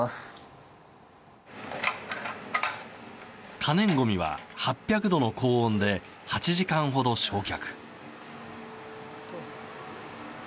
可燃ごみは８００度の高温で８時間ほど焼却。